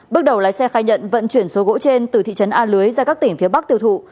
bước đầu lái xe khai nhận vận chuyển số gỗ trên từ thị trấn a lưới ra các tỉnh phía bắc tiêu thụ